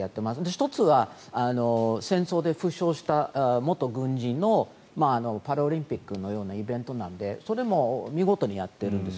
１つは戦争で負傷した元軍人のパラオリンピックのようなイベントなのでそれも見事にやってるんです。